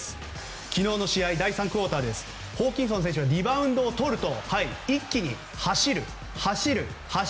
昨日の試合、第３クオーターホーキンソン選手がリバウンドをとると、一気に走る、走る。